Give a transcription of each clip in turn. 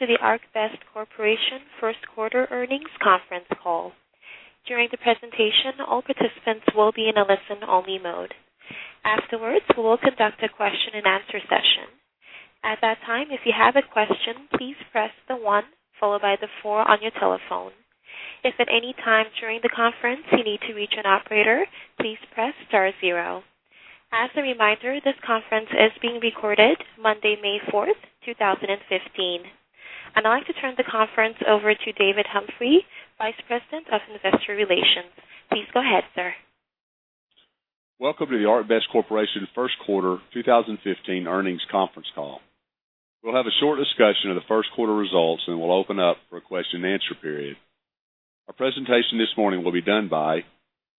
Welcome to the ArcBest Corporation first quarter earnings conference call. During the presentation, all participants will be in a listen-only mode. Afterwards, we will conduct a question-and-answer session. At that time, if you have a question, please press the one followed by the four on your telephone. If at any time during the conference you need to reach an operator, please press star zero. As a reminder, this conference is being recorded Monday, May 4th, 2015. I'd now like to turn the conference over to David Humphrey, Vice President of Investor Relations. Please go ahead, sir. Welcome to the ArcBest Corporation first quarter 2015 earnings conference call. We'll have a short discussion of the first quarter results, and we'll open up for a question-and-answer period. Our presentation this morning will be done by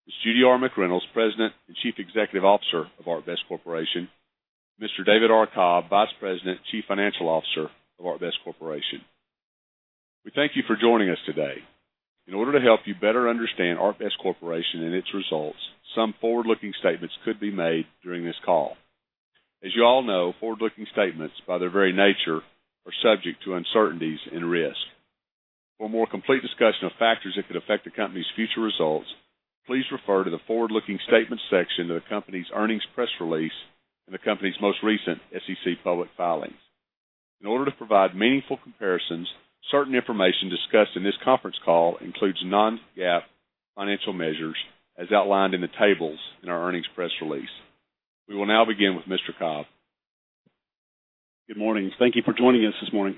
Ms. Judy R. McReynolds, President and Chief Executive Officer of ArcBest Corporation, Mr. David R. Cobb, Vice President and Chief Financial Officer of ArcBest Corporation. We thank you for joining us today. In order to help you better understand ArcBest Corporation and its results, some forward-looking statements could be made during this call. As you all know, forward-looking statements, by their very nature, are subject to uncertainties and risk. For a more complete discussion of factors that could affect the company's future results, please refer to the forward-looking statements section of the company's earnings press release and the company's most recent SEC public filings. In order to provide meaningful comparisons, certain information discussed in this conference call includes non-GAAP financial measures, as outlined in the tables in our earnings press release. We will now begin with Mr. Cobb. Good morning. Thank you for joining us this morning.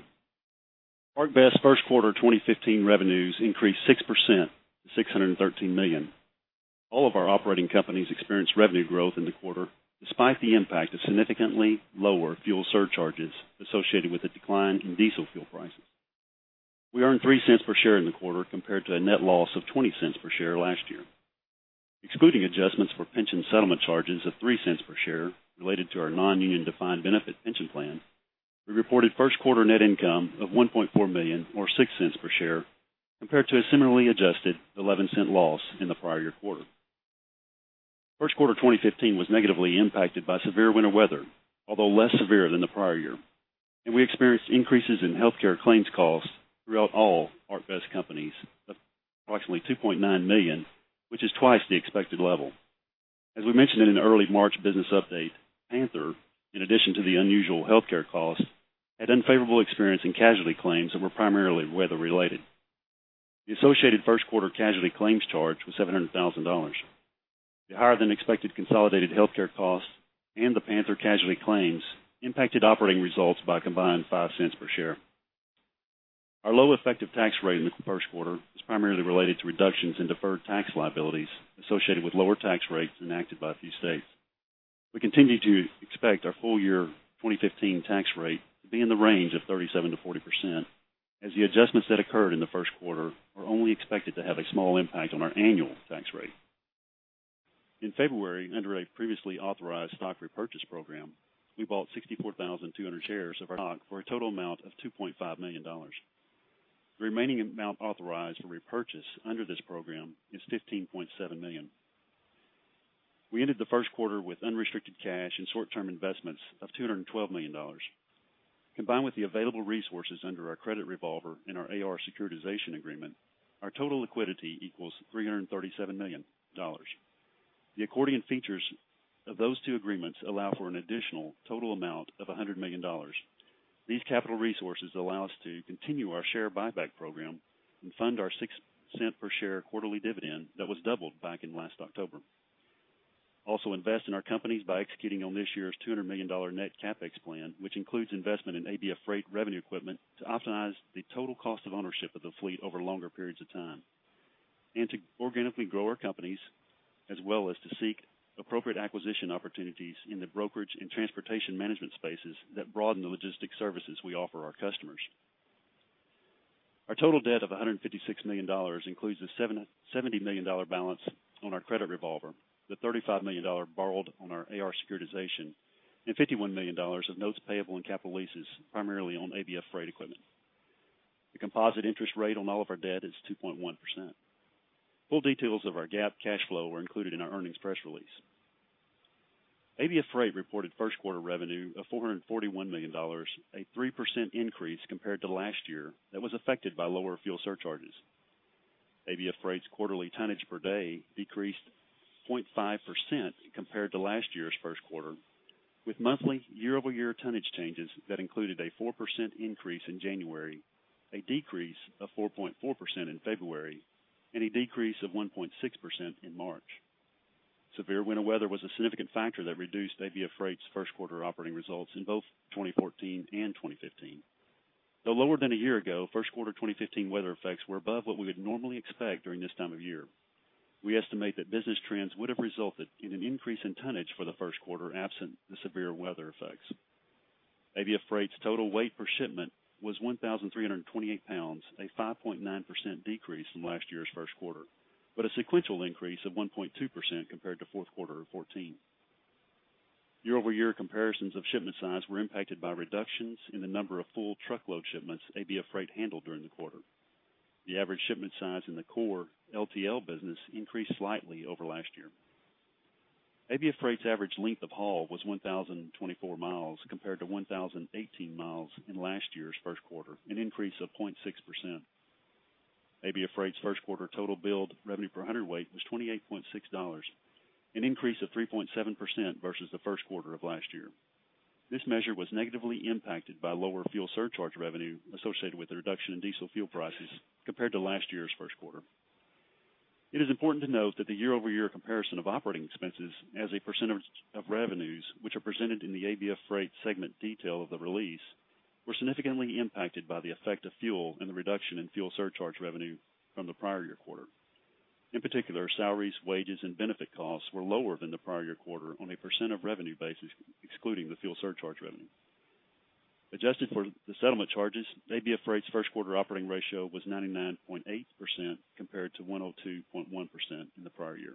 ArcBest first quarter 2015 revenues increased 6% to $613 million. All of our operating companies experienced revenue growth in the quarter, despite the impact of significantly lower fuel surcharges associated with a decline in diesel fuel prices. We earned $0.03 per share in the quarter, compared to a net loss of $0.20 per share last year. Excluding adjustments for pension settlement charges of $0.03 per share related to our non-union defined benefit pension plan, we reported first quarter net income of $1.4 million, or $0.06 per share, compared to a similarly adjusted $0.11 loss in the prior year quarter. First quarter 2015 was negatively impacted by severe winter weather, although less severe than the prior year, and we experienced increases in healthcare claims costs throughout all ArcBest companies of approximately $2.9 million, which is twice the expected level. As we mentioned in an early March business update, Panther, in addition to the unusual healthcare costs, had unfavorable experience in casualty claims that were primarily weather related. The associated first quarter casualty claims charge was $700,000. The higher than expected consolidated healthcare costs and the Panther casualty claims impacted operating results by a combined $0.05 per share. Our low effective tax rate in the first quarter is primarily related to reductions in deferred tax liabilities associated with lower tax rates enacted by a few states. We continue to expect our full year 2015 tax rate to be in the range of 37%-40%, as the adjustments that occurred in the first quarter are only expected to have a small impact on our annual tax rate. In February, under a previously authorized stock repurchase program, we bought 64,200 shares of our stock for a total amount of $2.5 million. The remaining amount authorized for repurchase under this program is $15.7 million. We ended the first quarter with unrestricted cash and short-term investments of $212 million. Combined with the available resources under our credit revolver and our AR securitization agreement, our total liquidity equals $337 million. The accordion features of those two agreements allow for an additional total amount of $100 million. These capital resources allow us to continue our share buyback program and fund our $0.06 per share quarterly dividend that was doubled back in last October. Also invest in our companies by executing on this year's $200 million net CapEx plan, which includes investment in ABF Freight revenue equipment to optimize the total cost of ownership of the fleet over longer periods of time, and to organically grow our companies, as well as to seek appropriate acquisition opportunities in the brokerage and transportation management spaces that broaden the logistics services we offer our customers. Our total debt of $156 million includes a $70 million balance on our credit revolver, the $35 million borrowed on our AR securitization, and $51 million of notes payable and capital leases, primarily on ABF Freight equipment. The composite interest rate on all of our debt is 2.1%. Full details of our GAAP cash flow were included in our earnings press release. ABF Freight reported first quarter revenue of $441 million, a 3% increase compared to last year that was affected by lower fuel surcharges. ABF Freight's quarterly tonnage per day decreased 0.5% compared to last year's first quarter, with monthly year-over-year tonnage changes that included a 4% increase in January, a decrease of 4.4% in February, and a decrease of 1.6% in March. Severe winter weather was a significant factor that reduced ABF Freight's first quarter operating results in both 2014 and 2015. Though lower than a year ago, first quarter 2015 weather effects were above what we would normally expect during this time of year. We estimate that business trends would have resulted in an increase in tonnage for the first quarter, absent the severe weather effects. ABF Freight's total weight per shipment was 1,328 pounds, a 5.9% decrease from last year's first quarter, but a sequential increase of 1.2% compared to fourth quarter of 2014. Year-over-year comparisons of shipment size were impacted by reductions in the number of full truckload shipments ABF Freight handled during the quarter. The average shipment size in the core LTL business increased slightly over last year. ABF Freight's average length of haul was 1,024 miles, compared to 1,018 miles in last year's first quarter, an increase of 0.6%. ABF Freight's first quarter total billed revenue per hundredweight was $28.6, an increase of 3.7% versus the first quarter of last year. This measure was negatively impacted by lower fuel surcharge revenue associated with the reduction in diesel fuel prices compared to last year's first quarter. It is important to note that the year-over-year comparison of operating expenses as a percentage of revenues, which are presented in the ABF Freight segment detail of the release, were significantly impacted by the effect of fuel and the reduction in fuel surcharge revenue from the prior year quarter. In particular, salaries, wages, and benefit costs were lower than the prior year quarter on a percent of revenue basis, excluding the fuel surcharge revenue. Adjusted for the settlement charges, ABF Freight's first quarter operating ratio was 99.8%, compared to 102.1% in the prior year.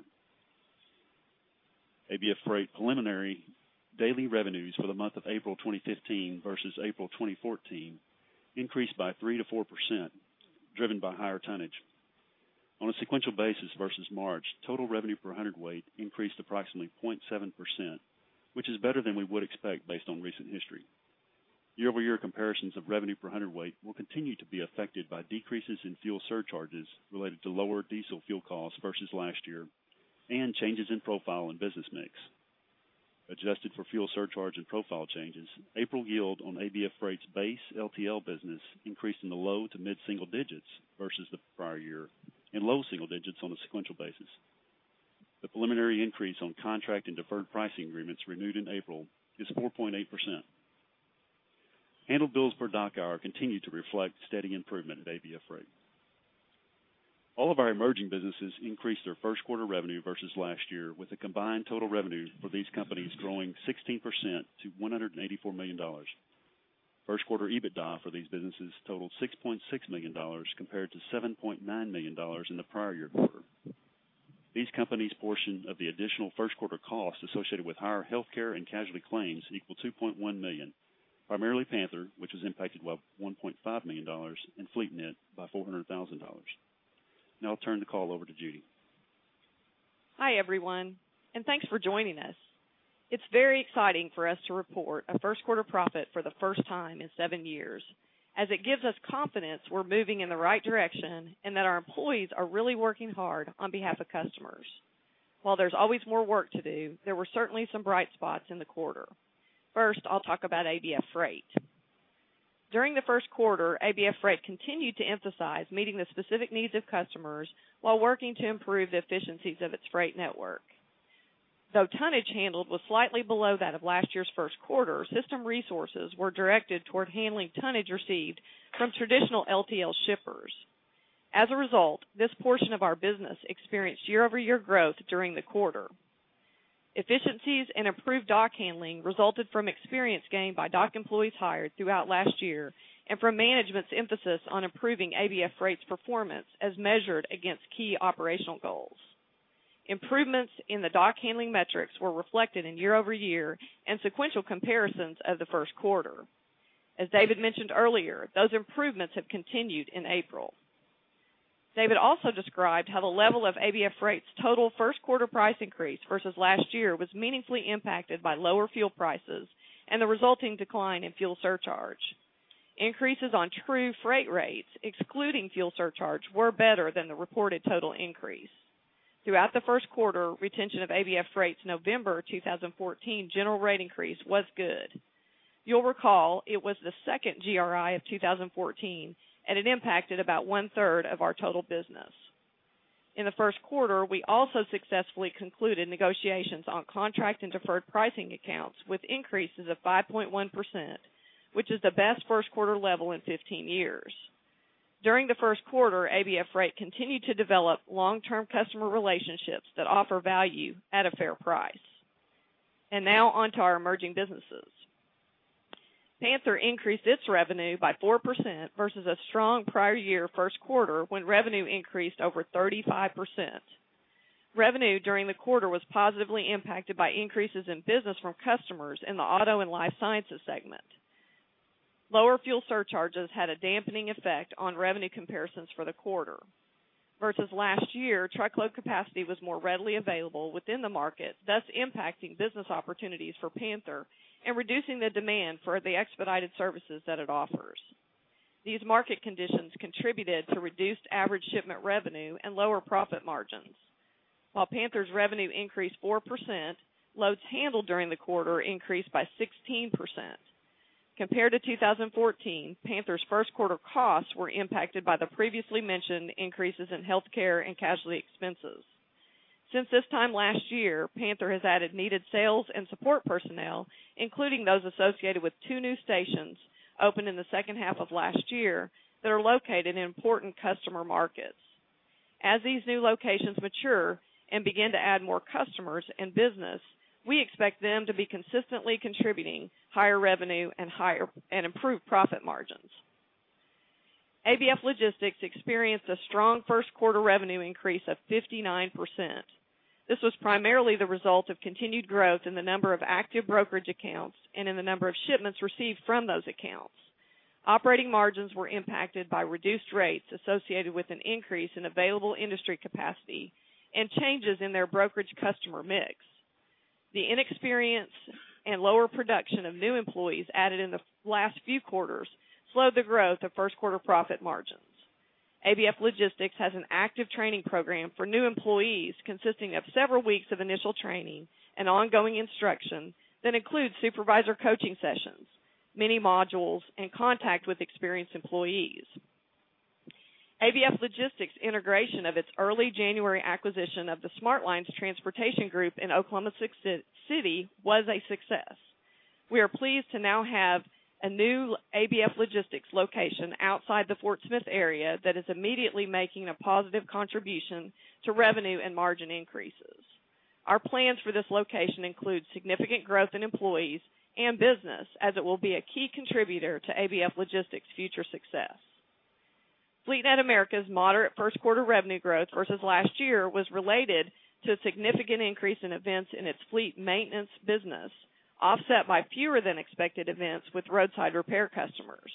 ABF Freight preliminary daily revenues for the month of April 2015 versus April 2014 increased by 3%-4%, driven by higher tonnage. On a sequential basis versus March, total revenue per hundredweight increased approximately 0.7%, which is better than we would expect based on recent history. Year-over-year comparisons of revenue per hundredweight will continue to be affected by decreases in fuel surcharges related to lower diesel fuel costs versus last year, and changes in profile and business mix. Adjusted for fuel surcharge and profile changes, April yield on ABF Freight's base LTL business increased in the low to mid-single digits versus the prior year, and low single digits on a sequential basis. The preliminary increase on contract and deferred pricing agreements renewed in April is 4.8%. Handled bills per dock hour continued to reflect steady improvement at ABF Freight. All of our emerging businesses increased their first quarter revenue versus last year, with a combined total revenue for these companies growing 16% to $184 million. First quarter EBITDA for these businesses totaled $6.6 million, compared to $7.9 million in the prior year quarter. These companies' portion of the additional first quarter costs associated with higher healthcare and casualty claims equal $2.1 million, primarily Panther, which was impacted by $1.5 million, and FleetNet by $400,000. Now I'll turn the call over to Judy. Hi, everyone, and thanks for joining us. It's very exciting for us to report a first quarter profit for the first time in seven years, as it gives us confidence we're moving in the right direction and that our employees are really working hard on behalf of customers. While there's always more work to do, there were certainly some bright spots in the quarter. First, I'll talk about ABF Freight. During the first quarter, ABF Freight continued to emphasize meeting the specific needs of customers while working to improve the efficiencies of its freight network. Though tonnage handled was slightly below that of last year's first quarter, system resources were directed toward handling tonnage received from traditional LTL shippers. As a result, this portion of our business experienced year-over-year growth during the quarter. Efficiencies and improved dock handling resulted from experience gained by dock employees hired throughout last year, and from management's emphasis on improving ABF Freight's performance as measured against key operational goals. Improvements in the dock handling metrics were reflected in year-over-year and sequential comparisons of the first quarter. As David mentioned earlier, those improvements have continued in April. David also described how the level of ABF Freight's total first quarter price increase versus last year was meaningfully impacted by lower fuel prices and the resulting decline in fuel surcharge. Increases on true freight rates, excluding fuel surcharge, were better than the reported total increase. Throughout the first quarter, retention of ABF Freight's November 2014 general rate increase was good. You'll recall, it was the second GRI of 2014, and it impacted about 1/3 of our total business. In the first quarter, we also successfully concluded negotiations on contract and deferred pricing accounts with increases of 5.1%, which is the best first quarter level in 15 years. During the first quarter, ABF Freight continued to develop long-term customer relationships that offer value at a fair price. And now on to our emerging businesses. Panther increased its revenue by 4% versus a strong prior year first quarter, when revenue increased over 35%. Revenue during the quarter was positively impacted by increases in business from customers in the auto and life sciences segment. Lower fuel surcharges had a dampening effect on revenue comparisons for the quarter. Versus last year, truckload capacity was more readily available within the market, thus impacting business opportunities for Panther and reducing the demand for the expedited services that it offers. These market conditions contributed to reduced average shipment revenue and lower profit margins. While Panther's revenue increased 4%, loads handled during the quarter increased by 16%. Compared to 2014, Panther's first quarter costs were impacted by the previously mentioned increases in healthcare and casualty expenses. Since this time last year, Panther has added needed sales and support personnel, including those associated with two new stations opened in the second half of last year, that are located in important customer markets. As these new locations mature and begin to add more customers and business, we expect them to be consistently contributing higher revenue and improved profit margins. ABF Logistics experienced a strong first quarter revenue increase of 59%. This was primarily the result of continued growth in the number of active brokerage accounts and in the number of shipments received from those accounts. Operating margins were impacted by reduced rates associated with an increase in available industry capacity and changes in their brokerage customer mix. The inexperience and lower production of new employees added in the last few quarters slowed the growth of first quarter profit margins. ABF Logistics has an active training program for new employees, consisting of several weeks of initial training and ongoing instruction that includes supervisor coaching sessions, many modules, and contact with experienced employees. ABF Logistics integration of its early January acquisition of the Smart Lines Transportation Group in Oklahoma City was a success. We are pleased to now have a new ABF Logistics location outside the Fort Smith area that is immediately making a positive contribution to revenue and margin increases. Our plans for this location include significant growth in employees and business, as it will be a key contributor to ABF Logistics' future success. FleetNet America's moderate first quarter revenue growth versus last year was related to a significant increase in events in its fleet maintenance business, offset by fewer than expected events with roadside repair customers.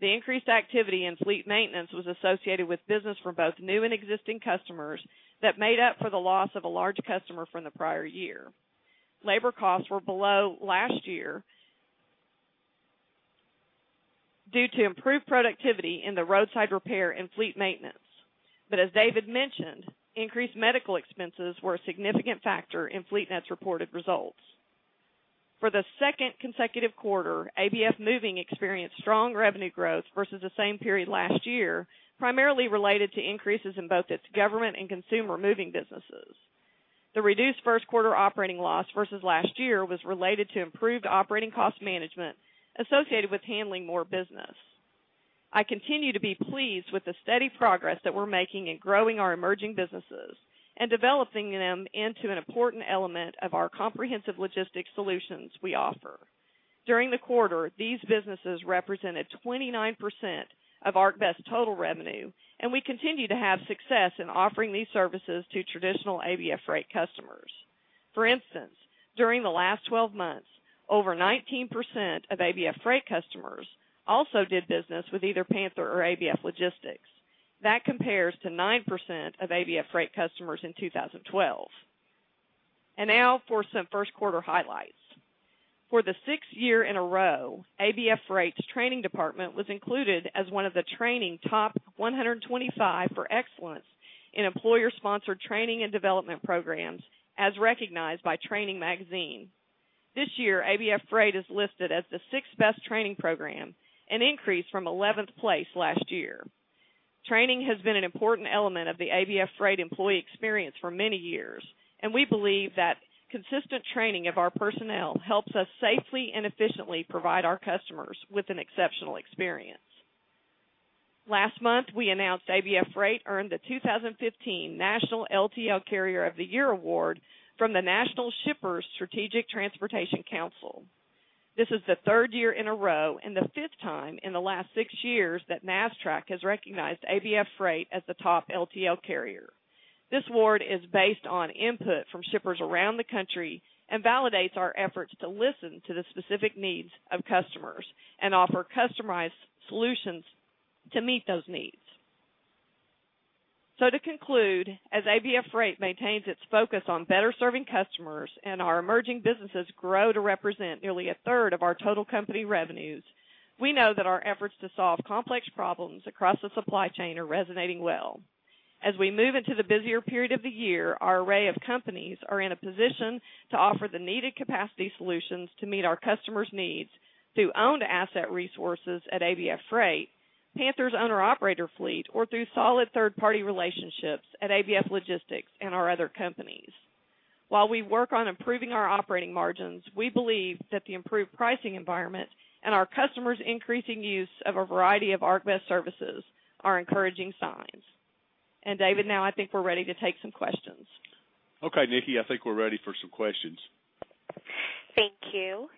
The increased activity in fleet maintenance was associated with business from both new and existing customers that made up for the loss of a large customer from the prior year. Labor costs were below last year due to improved productivity in the roadside repair and fleet maintenance. But as David mentioned, increased medical expenses were a significant factor in FleetNet's reported results. For the second consecutive quarter, ABF Moving experienced strong revenue growth versus the same period last year, primarily related to increases in both its government and consumer moving businesses. The reduced first quarter operating loss versus last year was related to improved operating cost management associated with handling more business. I continue to be pleased with the steady progress that we're making in growing our emerging businesses and developing them into an important element of our comprehensive logistics solutions we offer. During the quarter, these businesses represented 29% of ArcBest total revenue, and we continue to have success in offering these services to traditional ABF Freight customers. For instance, during the last 12 months, over 19% of ABF Freight customers also did business with either Panther or ABF Logistics. That compares to 9% of ABF Freight customers in 2012. And now for some first quarter highlights. For the 6th year in a row, ABF Freight's training department was included as one of the Training Top 125 for excellence in employer-sponsored training and development programs, as recognized by Training Magazine. This year, ABF Freight is listed as the 6th-best training program, an increase from 11th place last year. Training has been an important element of the ABF Freight employee experience for many years, and we believe that consistent training of our personnel helps us safely and efficiently provide our customers with an exceptional experience. Last month, we announced ABF Freight earned the 2015 National LTL Carrier of the Year award from the National Shippers Strategic Transportation Council. This is the third year in a row and the fifth time in the last six years that NASSTRAC has recognized ABF Freight as the top LTL carrier. This award is based on input from shippers around the country and validates our efforts to listen to the specific needs of customers and offer customized solutions to meet those needs. To conclude, as ABF Freight maintains its focus on better serving customers and our emerging businesses grow to represent nearly 1/3 of our total company revenues, we know that our efforts to solve complex problems across the supply chain are resonating well. As we move into the busier period of the year, our array of companies are in a position to offer the needed capacity solutions to meet our customers' needs through owned asset resources at ABF Freight, Panther's owner-operator fleet, or through solid third-party relationships at ABF Logistics and our other companies. While we work on improving our operating margins, we believe that the improved pricing environment and our customers' increasing use of a variety of ArcBest services are encouraging signs. And David, now I think we're ready to take some questions. Okay, Nikki, I think we're ready for some questions. Thank you.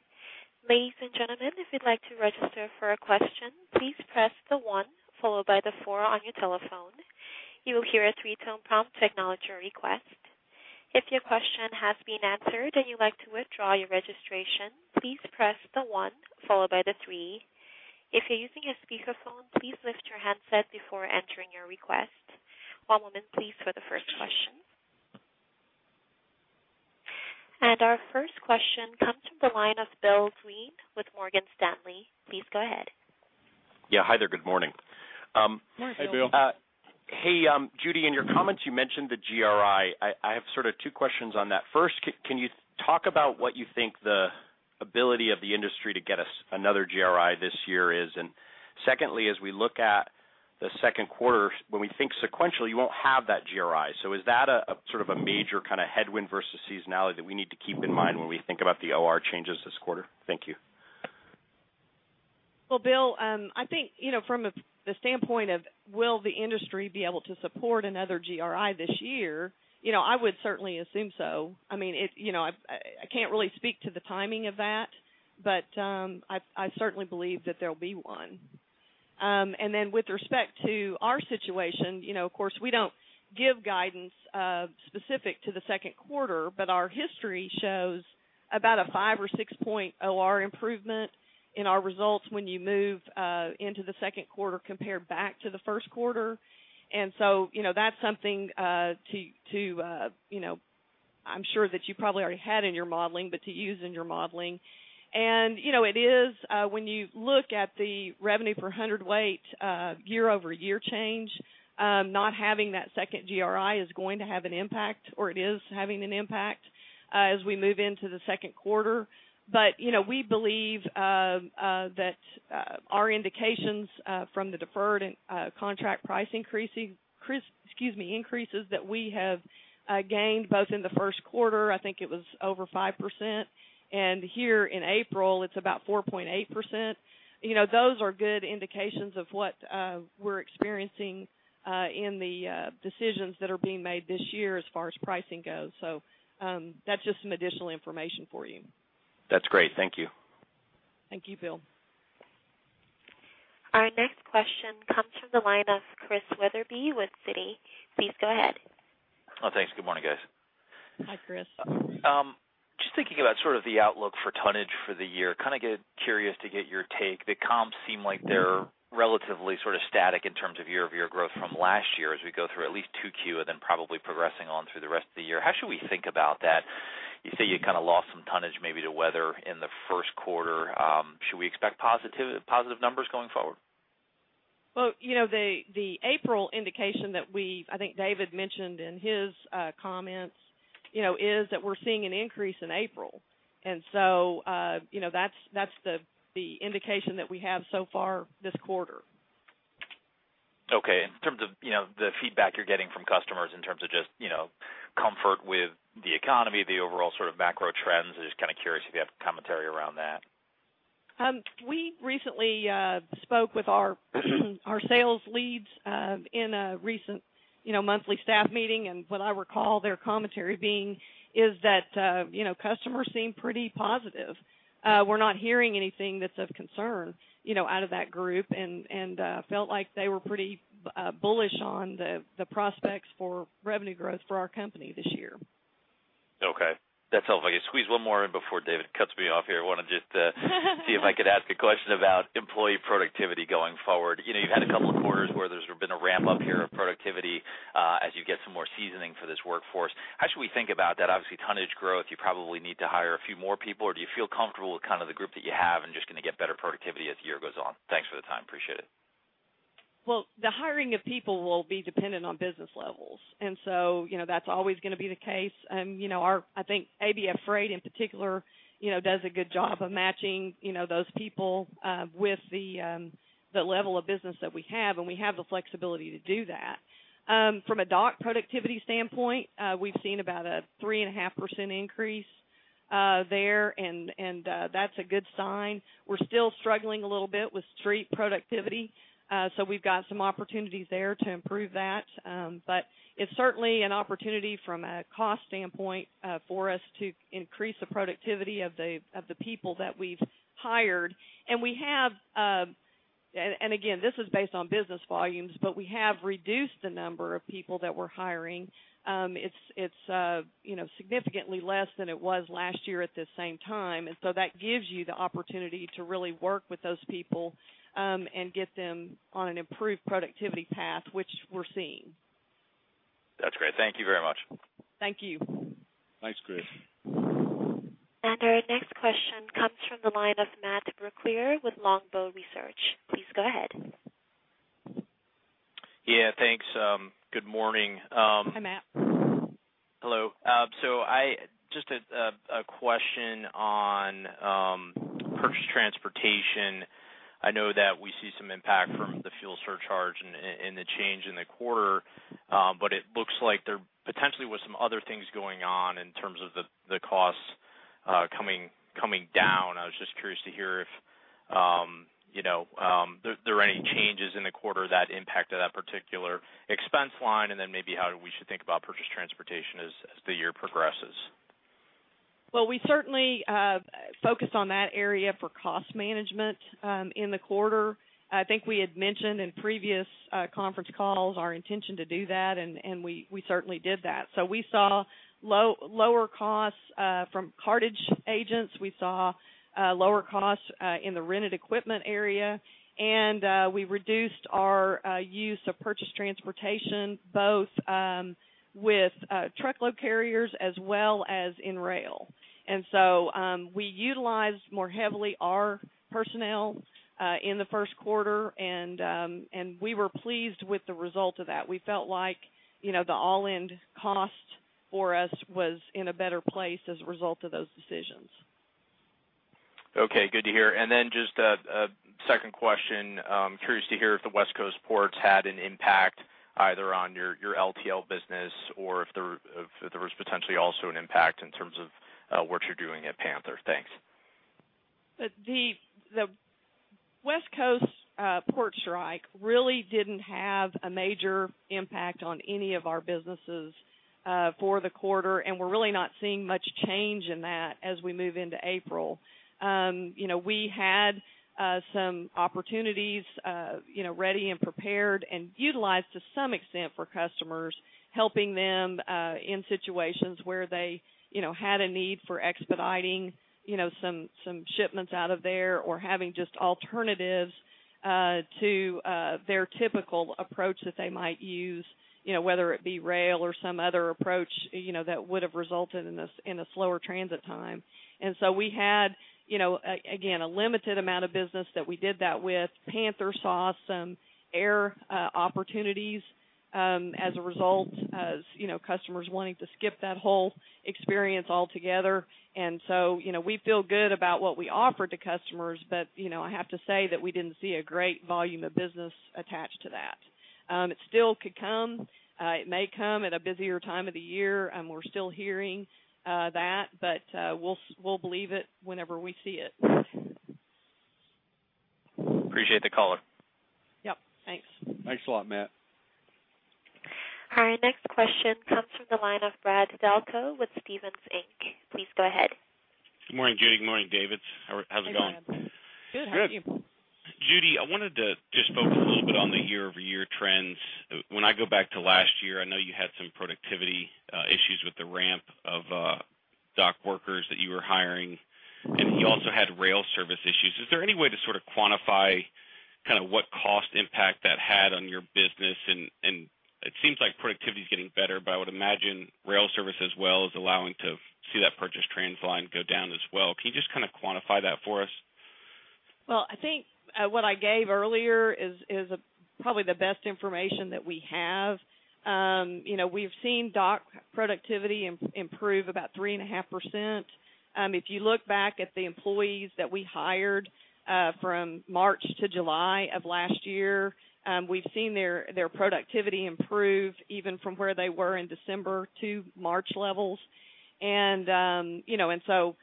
Ladies and gentlemen, if you'd like to register for a question, please press the one followed by the four on your telephone. You will hear a three-tone prompt to acknowledge your request. If your question has been answered and you'd like to withdraw your registration, please press the one followed by the three. If you're using a speakerphone, please lift your handset before entering your request. One moment, please, for the first question. And our first question comes from the line of Bill Greene with Morgan Stanley. Please go ahead. Yeah. Hi there. Good morning. Hi, Bill. Hey, Judy, in your comments, you mentioned the GRI. I have sort of two questions on that. First, can you talk about what you think the ability of the industry to get us another GRI this year is? And secondly, as we look at the second quarter, when we think sequentially, you won't have that GRI. So is that a sort of a major kind of headwind versus seasonality that we need to keep in mind when we think about the OR changes this quarter? Thank you. Well, Bill, I think, you know, from the standpoint of will the industry be able to support another GRI this year, you know, I would certainly assume so. I mean, you know, I can't really speak to the timing of that, but, I certainly believe that there'll be one. And then with respect to our situation, you know, of course, we don't give guidance, specific to the second quarter, but our history shows about a five or six point OR improvement in our results when you move into the second quarter compared back to the first quarter. And so, you know, that's something to, you know, I'm sure that you probably already had in your modeling, but to use in your modeling. You know, it is when you look at the revenue per hundredweight year-over-year change, not having that second GRI is going to have an impact, or it is having an impact as we move into the second quarter. You know, we believe that our indications from the deferred and contract price increases that we have gained both in the first quarter, I think it was over 5%, and here in April, it's about 4.8%. You know, those are good indications of what we're experiencing in the decisions that are being made this year as far as pricing goes. That's just some additional information for you. That's great. Thank you. Thank you, Bill. Our next question comes from the line of Chris Wetherbee with Citi. Please go ahead. Oh, thanks. Good morning, guys. Hi, Chris. Just thinking about sort of the outlook for tonnage for the year, kind of get curious to get your take. The comps seem like they're relatively sort of static in terms of year-over-year growth from last year as we go through at least 2Q, and then probably progressing on through the rest of the year. How should we think about that? You say you kind of lost some tonnage, maybe to weather in the first quarter. Should we expect positive, positive numbers going forward? Well, you know, the April indication that we, I think David mentioned in his comments, you know, is that we're seeing an increase in April. And so, you know, that's the indication that we have so far this quarter. Okay. In terms of, you know, the feedback you're getting from customers in terms of just, you know, comfort with the economy, the overall sort of macro trends. I'm just kind of curious if you have commentary around that? We recently spoke with our sales leads in a recent, you know, monthly staff meeting, and what I recall their commentary being is that, you know, customers seem pretty positive. We're not hearing anything that's of concern, you know, out of that group, and felt like they were pretty bullish on the prospects for revenue growth for our company this year. Okay, that's helpful. If I could squeeze one more in before David cuts me off here. I want to just see if I could ask a question about employee productivity going forward. You know, you've had a couple of quarters where there's been a ramp up here of productivity, as you get some more seasoning for this workforce. How should we think about that? Obviously, tonnage growth, you probably need to hire a few more people, or do you feel comfortable with kind of the group that you have and just going to get better productivity as the year goes on? Thanks for the time. Appreciate it. Well, the hiring of people will be dependent on business levels, and so, you know, that's always going to be the case. You know, our—I think ABF Freight in particular, you know, does a good job of matching, you know, those people with the level of business that we have, and we have the flexibility to do that. From a dock productivity standpoint, we've seen about a 3.5% increase there, and that's a good sign. We're still struggling a little bit with street productivity, so we've got some opportunities there to improve that. But it's certainly an opportunity from a cost standpoint for us to increase the productivity of the people that we've hired. And we have again, this is based on business volumes, but we have reduced the number of people that we're hiring. It's you know, significantly less than it was last year at this same time. And so that gives you the opportunity to really work with those people, and get them on an improved productivity path, which we're seeing. That's great. Thank you very much. Thank you. Thanks, Chris. And our next question comes from the line of Matt Brooklier with Longbow Research. Please go ahead. Yeah, thanks. Good morning. Hi, Matt. Hello. So I just have a question on purchased transportation. I know that we see some impact from the fuel surcharge and the change in the quarter, but it looks like there potentially was some other things going on in terms of the costs coming down. I was just curious to hear if you know there were any changes in the quarter that impacted that particular expense line, and then maybe how we should think about purchased transportation as the year progresses. Well, we certainly focused on that area for cost management in the quarter. I think we had mentioned in previous conference calls our intention to do that, and we certainly did that. So we saw lower costs from cartage agents. We saw lower costs in the rented equipment area, and we reduced our use of purchased transportation, both with truckload carriers as well as in rail. And so, we utilized more heavily our personnel in the first quarter, and we were pleased with the result of that. We felt like, you know, the all-in cost for us was in a better place as a result of those decisions. Okay, good to hear. And then just a second question. Curious to hear if the West Coast ports had an impact either on your LTL business or if there was potentially also an impact in terms of what you're doing at Panther. Thanks. But the West Coast port strike really didn't have a major impact on any of our businesses for the quarter, and we're really not seeing much change in that as we move into April. You know, we had some opportunities, you know, ready and prepared and utilized to some extent for customers, helping them in situations where they, you know, had a need for expediting, you know, some shipments out of there or having just alternatives to their typical approach that they might use, you know, whether it be rail or some other approach, you know, that would have resulted in a slower transit time. And so we had, you know, again, a limited amount of business that we did that with. Panther saw some air opportunities, as a result, you know, customers wanting to skip that whole experience altogether. And so, you know, we feel good about what we offered to customers, but, you know, I have to say that we didn't see a great volume of business attached to that. It still could come. It may come at a busier time of the year, and we're still hearing that, but, we'll believe it whenever we see it. Appreciate the color. Yep. Thanks. Thanks a lot, Matt. All right, next question comes from the line of Brad Delco with Stephens Inc. Please go ahead. Good morning, Judy. Good morning, David. How's it going? Good. How are you? Good. Judy, I wanted to just focus a little bit on the year-over-year trends. When I go back to last year, I know you had some productivity issues with the ramp of dock workers that you were hiring, and you also had rail service issues. Is there any way to sort of quantify kind of what cost impact that had on your business? And it seems like productivity is getting better, but I would imagine rail service as well is allowing to see that purchased transportation line go down as well. Can you just kind of quantify that for us? Well, I think what I gave earlier is probably the best information that we have. You know, we've seen dock productivity improve about 3.5%. If you look back at the employees that we hired from March to July of last year, we've seen their productivity improve even from where they were in December to March levels. You know,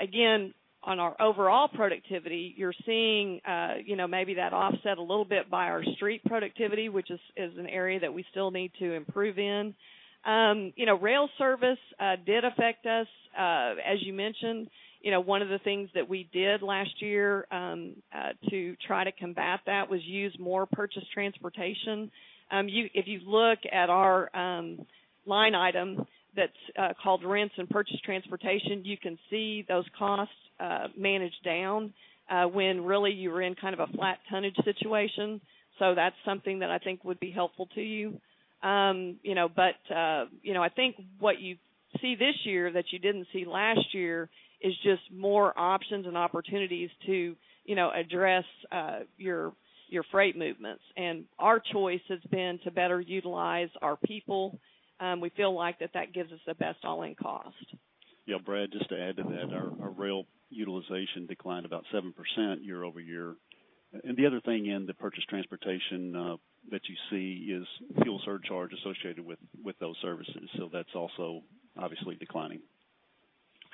again, on our overall productivity, you're seeing, you know, maybe that offset a little bit by our street productivity, which is an area that we still need to improve in. You know, rail service did affect us. As you mentioned, you know, one of the things that we did last year to try to combat that was use more purchased transportation. You – if you look at our line item that's called rents and purchased transportation, you can see those costs manage down when really you were in kind of a flat tonnage situation. So that's something that I think would be helpful to you. You know, but you know, I think what you see this year that you didn't see last year is just more options and opportunities to, you know, address your your freight movements. And our choice has been to better utilize our people. We feel like that that gives us the best all-in cost. Yeah, Brad, just to add to that, our rail utilization declined about 7% year-over-year. The other thing in the Purchased transportation that you see is Fuel surcharge associated with those services. That's also obviously declining.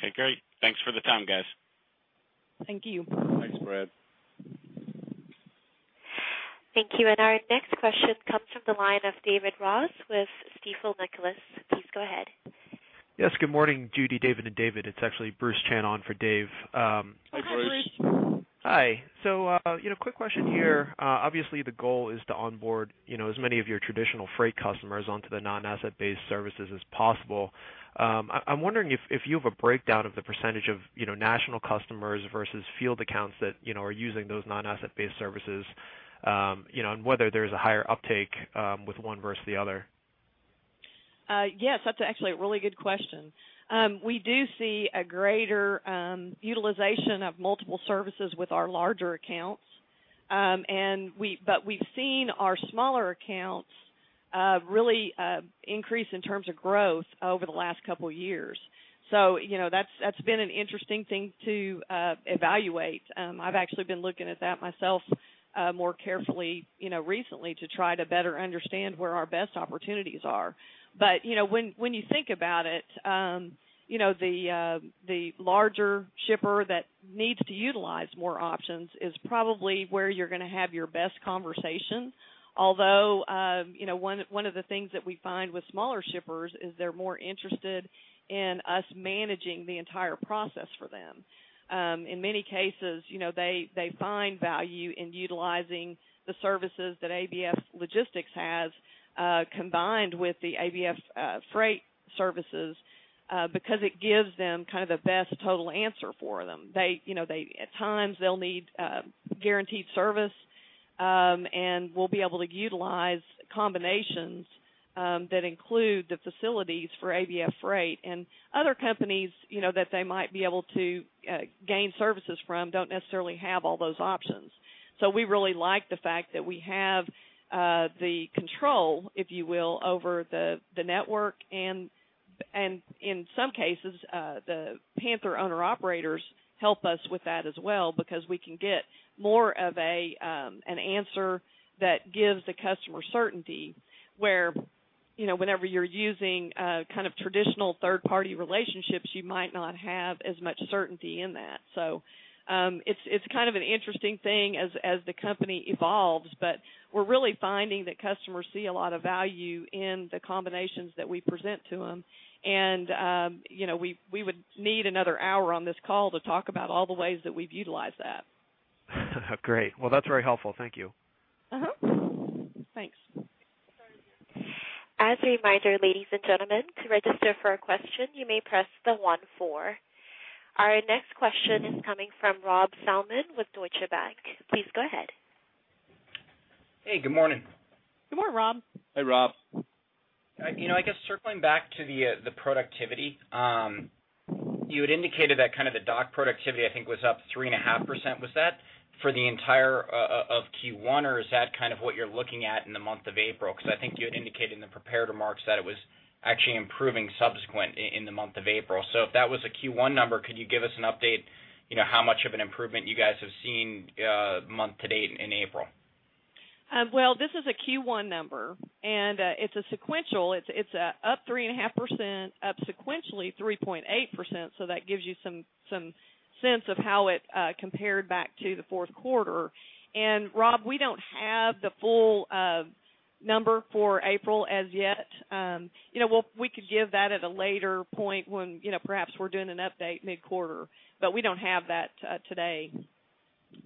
Okay, great. Thanks for the time, guys. Thank you. Thanks, Brad. Thank you. Our next question comes from the line of David Ross with Stifel Nicolaus. Please go ahead. Yes, good morning, Judy, David, and David. It's actually Bruce Chan on for David. Hi, Bruce. Hi, Bruce. Hi. So, you know, quick question here. Obviously, the goal is to onboard, you know, as many of your traditional freight customers onto the non-asset-based services as possible. I'm wondering if you have a breakdown of the percentage of, you know, national customers versus field accounts that, you know, are using those non-asset-based services, you know, and whether there's a higher uptake with one versus the other. Yes, that's actually a really good question. We do see a greater utilization of multiple services with our larger accounts. But we've seen our smaller accounts really increase in terms of growth over the last couple of years. So, you know, that's been an interesting thing to evaluate. I've actually been looking at that myself more carefully, you know, recently to try to better understand where our best opportunities are. But, you know, when you think about it, you know, the larger shipper that needs to utilize more options is probably where you're going to have your best conversation. Although, you know, one of the things that we find with smaller shippers is they're more interested in us managing the entire process for them. In many cases, you know, they find value in utilizing the services that ABF Logistics has combined with the ABF Freight services because it gives them kind of the best total answer for them. They, you know, they at times they'll need guaranteed service and we'll be able to utilize combinations that include the facilities for ABF Freight. And other companies, you know, that they might be able to gain services from don't necessarily have all those options. So we really like the fact that we have the control, if you will, over the network, and in some cases the Panther owner-operators help us with that as well, because we can get more of an answer that gives the customer certainty, where. You know, whenever you're using kind of traditional third-party relationships, you might not have as much certainty in that. So, it's kind of an interesting thing as the company evolves, but we're really finding that customers see a lot of value in the combinations that we present to them. And, you know, we would need another hour on this call to talk about all the ways that we've utilized that. Great! Well, that's very helpful. Thank you. Thanks. As a reminder, ladies and gentlemen, to register for a question, you may press star one. Our next question is coming from Rob Salmon with Deutsche Bank. Please go ahead. Hey, good morning. Good morning, Rob. Hey, Rob. You know, I guess circling back to the productivity, you had indicated that kind of the dock productivity, I think, was up 3.5%. Was that for the entire of Q1, or is that kind of what you're looking at in the month of April? Because I think you had indicated in the prepared remarks that it was actually improving subsequent in the month of April. So if that was a Q1 number, could you give us an update, you know, how much of an improvement you guys have seen month to date in April? Well, this is a Q1 number, and it's a sequential. It's up 3.5%, up sequentially 3.8%, so that gives you some sense of how it compared back to the fourth quarter. And Rob, we don't have the full number for April as yet. You know, we could give that at a later point when, you know, perhaps we're doing an update mid-quarter, but we don't have that today.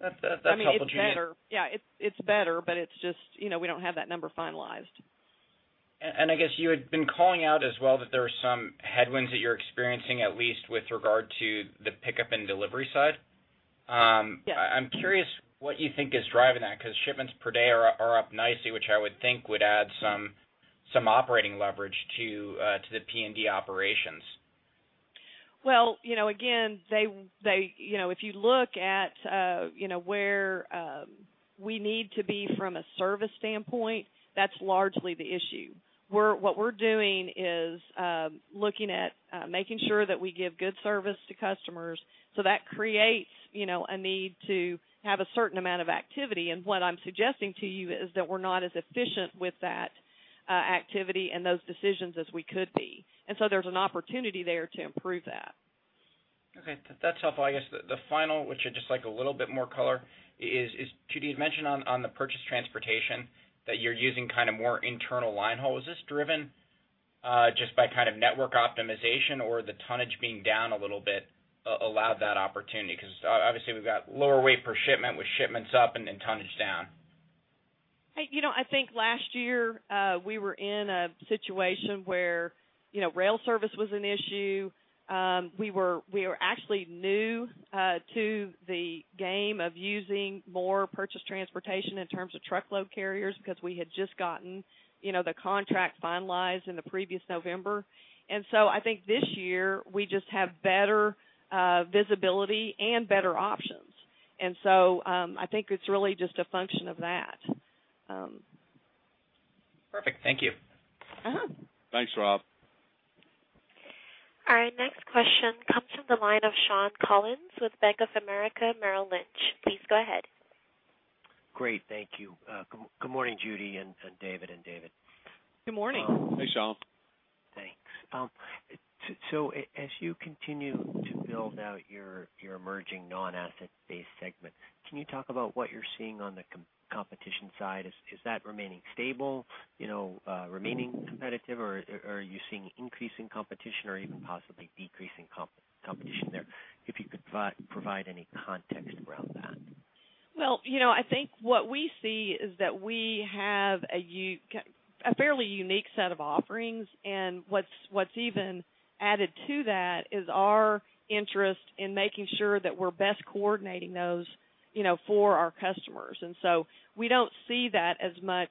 That's, that's helpful, Judy. I mean, it's better. Yeah, it's, it's better, but it's just, you know, we don't have that number finalized. I guess you had been calling out as well, that there were some headwinds that you're experiencing, at least with regard to the pickup and delivery side. Yeah. I'm curious what you think is driving that, because shipments per day are up nicely, which I would think would add some operating leverage to the P&D operations. Well, you know, again, they you know, if you look at you know, where we need to be from a service standpoint, that's largely the issue. We're what we're doing is looking at making sure that we give good service to customers. So that creates, you know, a need to have a certain amount of activity. And what I'm suggesting to you is that we're not as efficient with that activity and those decisions as we could be. And so there's an opportunity there to improve that. Okay, that's helpful. I guess the final, which I'd just like a little bit more color on, is Judy, you mentioned on purchased transportation that you're using kind of more internal line haul. Is this driven just by kind of network optimization or the tonnage being down a little bit allowed that opportunity? Because obviously, we've got lower weight per shipment with shipments up and tonnage down. Hey, you know, I think last year we were in a situation where, you know, rail service was an issue. We were actually new to the game of using more purchased transportation in terms of truckload carriers, because we had just gotten, you know, the contract finalized in the previous November. And so I think this year we just have better visibility and better options. And so I think it's really just a function of that. Perfect. Thank you. Uh-huh. Thanks, Rob. All right, next question comes from the line of Sean Collins with Bank of America Merrill Lynch. Please go ahead. Great. Thank you. Good morning, Judy and David and David. Good morning. Hey, Sean. Thanks. So as you continue to build out your emerging non-asset-based segment, can you talk about what you're seeing on the competition side? Is that remaining stable? You know, remaining competitive, or are you seeing increasing competition or even possibly decreasing competition there? If you could provide any context around that. Well, you know, I think what we see is that we have a fairly unique set of offerings, and what's even added to that is our interest in making sure that we're best coordinating those, you know, for our customers. And so we don't see that as much,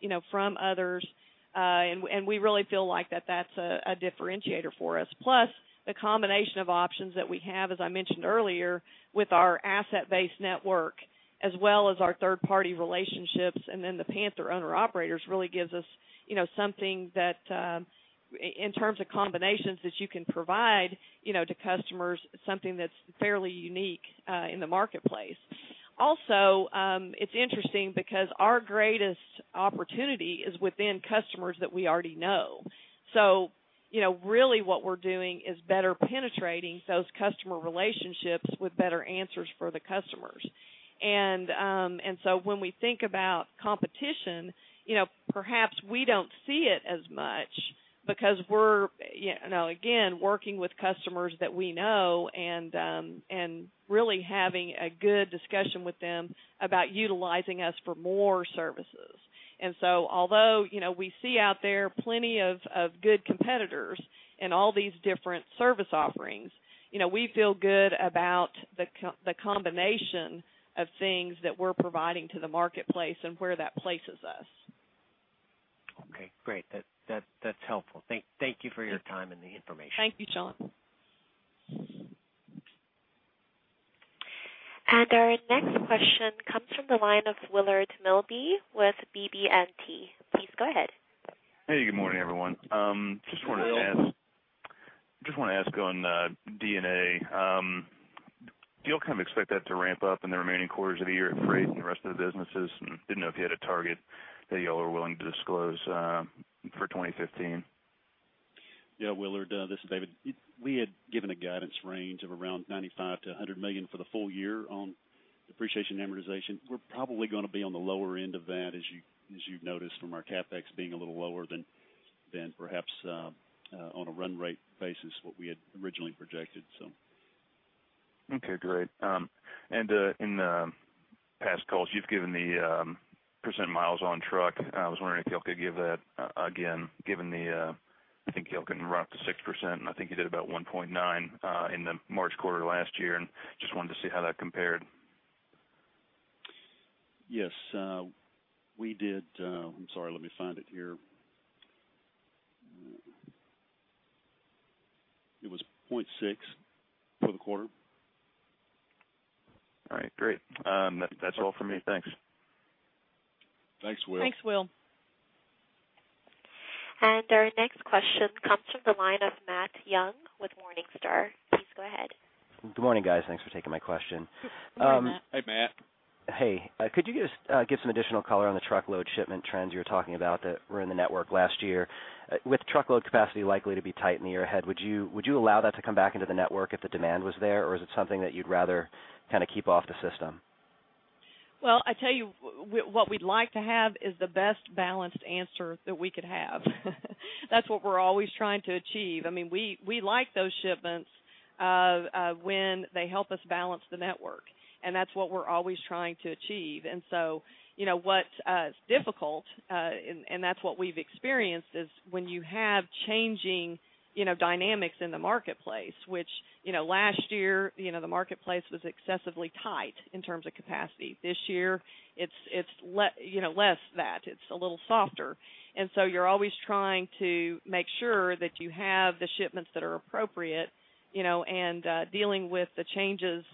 you know, from others, and we really feel like that's a differentiator for us. Plus, the combination of options that we have, as I mentioned earlier, with our asset-based network, as well as our third-party relationships, and then the Panther owner-operators, really gives us, you know, something that, in terms of combinations that you can provide, you know, to customers, something that's fairly unique, in the marketplace. Also, it's interesting because our greatest opportunity is within customers that we already know. So you know, really what we're doing is better penetrating those customer relationships with better answers for the customers. And, and so when we think about competition, you know, perhaps we don't see it as much because we're, yeah, now again, working with customers that we know and, and really having a good discussion with them about utilizing us for more services. And so although, you know, we see out there plenty of good competitors and all these different service offerings, you know, we feel good about the combination of things that we're providing to the marketplace and where that places us. Okay, great. That's helpful. Thank you for your time and the information. Thank you, Sean. Our next question comes from the line of Willard Milby with BB&T. Please go ahead. Hey, good morning, everyone. I just want to ask on D&A. Do you all kind of expect that to ramp up in the remaining quarters of the year at freight and the rest of the businesses? Didn't know if you had a target that you all are willing to disclose for 2015. Yeah, Willard, this is David. We had given a guidance range of around $95 million-$100 million for the full year on depreciation amortization. We're probably gonna be on the lower end of that, as you, as you've noticed from our CapEx being a little lower than perhaps, on a run rate basis, what we had originally projected, so. Okay, great. In the past calls, you've given the percent miles on truck. I was wondering if you all could give that again, given the I think you all can run up to 6%, and I think you did about 1.9 in the March quarter last year, and just wanted to see how that compared. Yes, we did. I'm sorry, let me find it here. It was 0.6 for the quarter. All right, great. That's all for me. Thanks. Thanks, Will. Thanks, Will. Our next question comes from the line of Matt Young with Morningstar. Please go ahead. Good morning, guys. Thanks for taking my question. Hey, Matt. Hey, Matt. Hey, could you just give some additional color on the truckload shipment trends you were talking about that were in the network last year? With truckload capacity likely to be tight in the year ahead, would you allow that to come back into the network if the demand was there, or is it something that you'd rather kind of keep off the system? Well, I tell you, what we'd like to have is the best balanced answer that we could have. That's what we're always trying to achieve. I mean, we, we like those shipments when they help us balance the network, and that's what we're always trying to achieve. And so, you know, what is difficult, and that's what we've experienced, is when you have changing, you know, dynamics in the marketplace, which, you know, last year, you know, the marketplace was excessively tight in terms of capacity. This year, it's less that. You know, it's a little softer. And so you're always trying to make sure that you have the shipments that are appropriate, you know, and dealing with the changes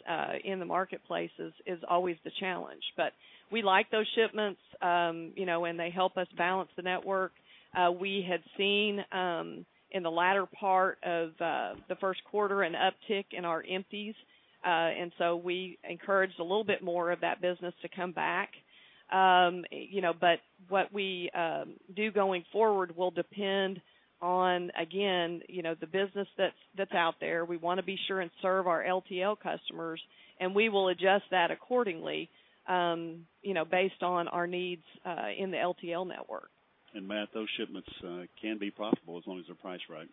in the marketplace is always the challenge. But we like those shipments, you know, when they help us balance the network. We had seen, in the latter part of the first quarter, an uptick in our empties, and so we encouraged a little bit more of that business to come back. You know, but what we do going forward will depend on, again, you know, the business that's out there. We want to be sure and serve our LTL customers, and we will adjust that accordingly, you know, based on our needs in the LTL network. Matt, those shipments can be profitable as long as they're priced right.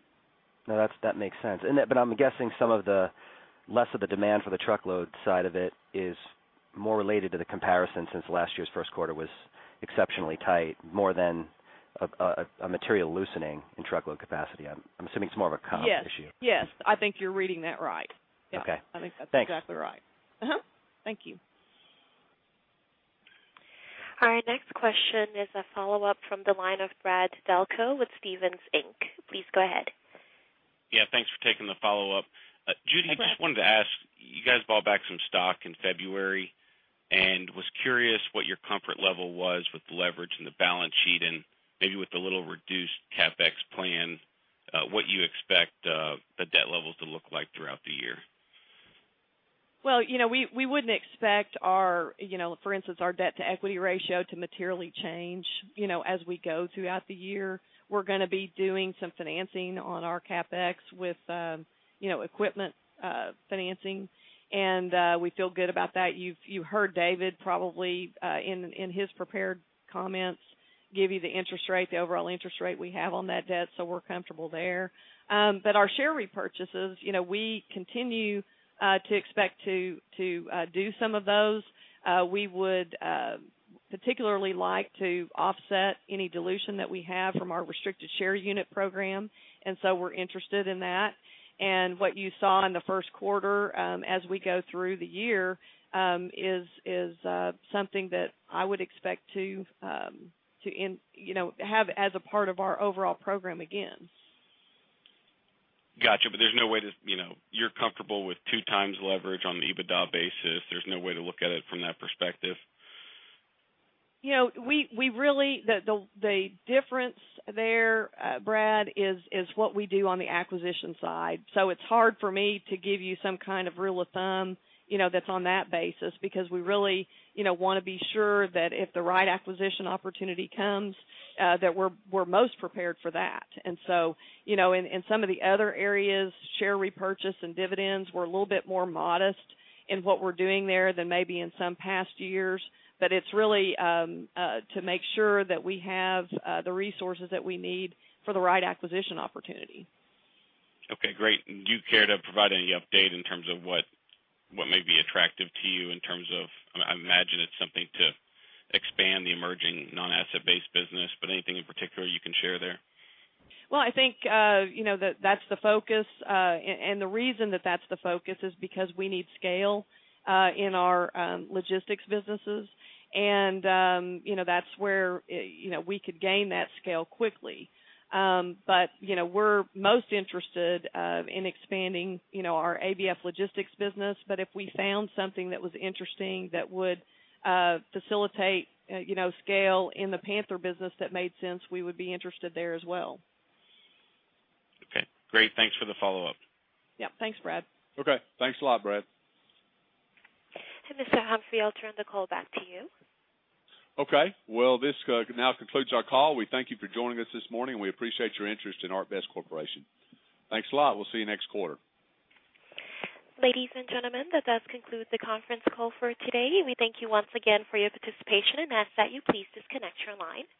No, that's. that makes sense. And that. But I'm guessing less of the demand for the truckload side of it is more related to the comparison since last year's first quarter was exceptionally tight, more than a material loosening in truckload capacity. I'm assuming it's more of a comp issue. Yes, yes. I think you're reading that right. Okay. Yeah, I think that's exactly right. Thanks. Thank you. All right, next question is a follow-up from the line of Brad Delco with Stephens Inc. Please go ahead. Yeah, thanks for taking the follow-up. Yes. Judy, I just wanted to ask, you guys bought back some stock in February, and was curious what your comfort level was with the leverage and the balance sheet, and maybe with the little reduced CapEx plan, what you expect, the debt levels to look like throughout the year? Well, you know, we wouldn't expect our, you know, for instance, our debt to equity ratio to materially change, you know, as we go throughout the year. We're gonna be doing some financing on our CapEx with, you know, equipment financing, and we feel good about that. You've heard David, probably, in his prepared comments, give you the interest rate, the overall interest rate we have on that debt, so we're comfortable there. But our share repurchases, you know, we continue to expect to do some of those. We would particularly like to offset any dilution that we have from our restricted share unit program, and so we're interested in that. What you saw in the first quarter, as we go through the year, is something that I would expect to in, you know, have as a part of our overall program again. Gotcha. But there's no way to. You know, you're comfortable with 2 times leverage on the EBITDA basis. There's no way to look at it from that perspective? You know, the difference there, Brad, is what we do on the acquisition side. So it's hard for me to give you some kind of rule of thumb, you know, that's on that basis, because we really, you know, want to be sure that if the right acquisition opportunity comes, that we're most prepared for that. And so, you know, in some of the other areas, share repurchase and dividends, we're a little bit more modest in what we're doing there than maybe in some past years. But it's really to make sure that we have the resources that we need for the right acquisition opportunity. Okay, great. And do you care to provide any update in terms of what, what may be attractive to you in terms of, I imagine it's something to expand the emerging non-asset-based business, but anything in particular you can share there? Well, I think, you know, that's the focus, and the reason that's the focus is because we need scale in our logistics businesses. And, you know, that's where, you know, we could gain that scale quickly. But, you know, we're most interested in expanding, you know, our ABF Logistics business. But if we found something that was interesting that would facilitate, you know, scale in the Panther business that made sense, we would be interested there as well. Okay, great. Thanks for the follow-up. Yep. Thanks, Brad. Okay, thanks a lot, Brad. Mr. Humphrey, I'll turn the call back to you. Okay. Well, this now concludes our call. We thank you for joining us this morning. We appreciate your interest in ArcBest Corporation. Thanks a lot. We'll see you next quarter. Ladies and gentlemen, that does conclude the conference call for today. We thank you once again for your participation and ask that you please disconnect your line.